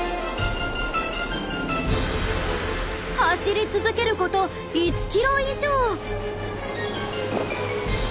走り続けること１キロ以上！